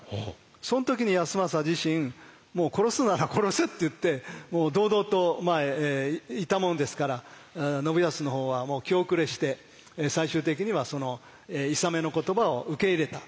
そん時に康政自身もう殺すなら殺せって言ってもう堂々といたものですから信康の方はもう気後れして最終的にはそのいさめの言葉を受け入れた。